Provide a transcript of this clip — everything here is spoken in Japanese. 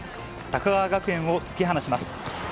高川学園を突き放します。